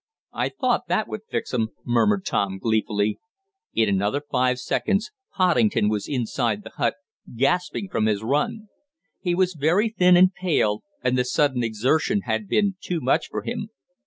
"I thought that would fix 'em," murmured Tom gleefully. In another five seconds Poddington was inside the hut, gasping from his run. He was very thin and pale, and the sudden exertion had been too much for him.